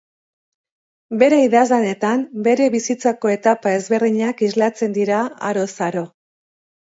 Bere idazlanetan bere bizitzako etapa ezberdinak islatzen dira, aroz aro.